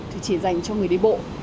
thì chỉ dành cho người đi bộ